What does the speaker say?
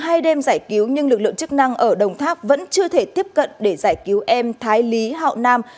hai đêm giải cứu nhưng lực lượng chức năng ở đồng tháp vẫn chưa thể tiếp cận để giải cứu em thái lý hậu nam